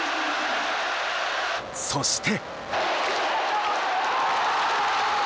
そして。